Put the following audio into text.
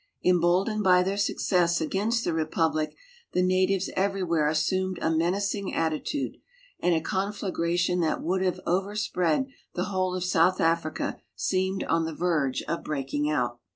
Em boldened by their success against the republic the natives every where assumed a menacing attitude, and a conflagration that would have overspread the whole of South Africa seemed on the verge of breaking out.